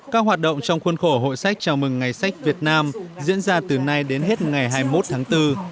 các hoạt động trong khuôn khổ hội sách chào mừng ngày sách việt nam diễn ra từ nay đến hết ngày hai mươi một tháng bốn